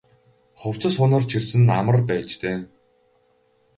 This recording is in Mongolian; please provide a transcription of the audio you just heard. Хувцас хунар чирсэн нь амар байж дээ.